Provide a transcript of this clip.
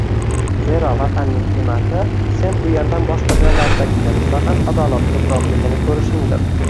Zero, Vatanning qiymati – sen u yerdan boshqa joylardagiga nisbatan adolat ko‘proqligini ko‘rishingdir.